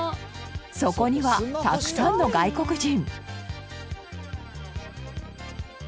そこにはたくさんの外国人。